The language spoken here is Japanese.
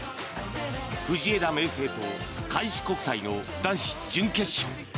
藤枝明誠と開志国際の男子準決勝。